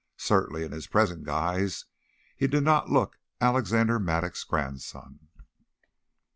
Certainly in his present guise he did not look Alexander Mattock's grandson.